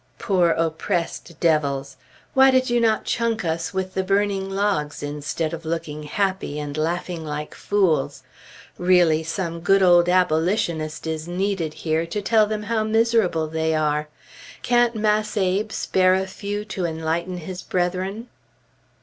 Poor oppressed devils! Why did you not chunk us with the burning logs instead of looking happy, and laughing like fools? Really, some good old Abolitionist is needed here, to tell them how miserable they are. Can't Mass' Abe spare a few to enlighten his brethren?